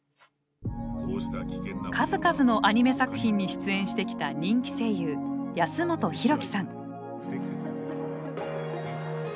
数々のアニメ作品に出演してきた人気声優安元洋貴さん。